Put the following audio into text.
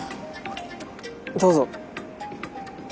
どうぞ。